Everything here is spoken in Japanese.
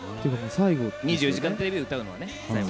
２４時間テレビで歌うのはね。